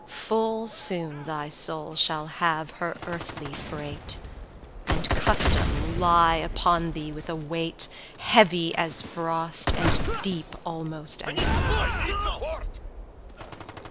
130 Full soon thy soul shall have her earthly freight, And custom lie upon thee with a weight, Heavy as frost, and deep almost as life!